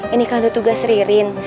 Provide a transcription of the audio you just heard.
ini kan itu tugas ririn